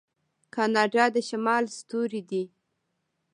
کاناډا د شمال ستوری دی.